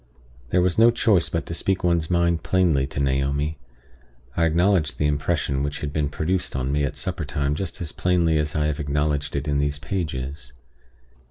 There was no choice but to speak one's mind plainly to Naomi. I acknowledged the impression which had been produced on me at supper time just as plainly as I have acknowledged it in these pages.